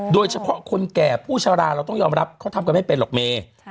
โดยเฉพาะคนแก่ผู้ชะลาเราต้องยอมรับเขาทำกันไม่เป็นหรอกเม